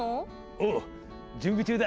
おう準備中だ。